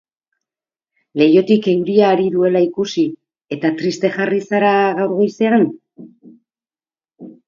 Leihotik euria ari duela ikusi, eta triste jarri zara gaur goizean?